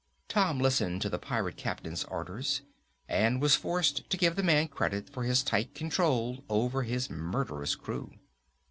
Tom listened to the pirate captain's orders and was forced to give the man credit for his tight control over his murderous crew.